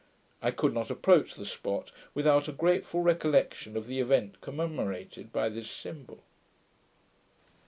I could not approach the spot, without a grateful recollection of the event commemorated by this symbol.